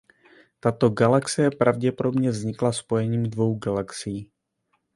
Tato galaxie pravděpodobně vznikla spojením dvou galaxií.